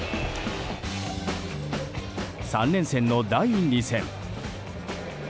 ３連戦の第２戦。